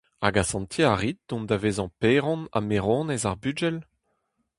Hag asantiñ a rit dont da vezañ paeron ha maeronez ar bugel ?